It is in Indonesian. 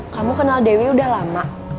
kamu kenal dewi udah lama